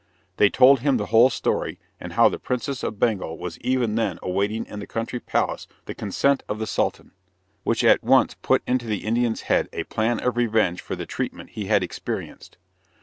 They told him the whole story, and how the Princess of Bengal was even then awaiting in the country palace the consent of the Sultan, which at once put into the Indian's head a plan of revenge for the treatment he had experienced.